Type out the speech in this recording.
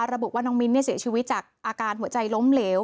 ระบุว่าน้องมิ้นเสียชีวิตจากอาการหัวใจล้มเหลว